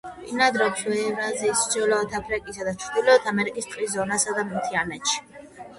ბინადრობს ევრაზიის, ჩრდილოეთ აფრიკისა და ჩრდილოეთ ამერიკის ტყის ზონასა და მთიანეთში.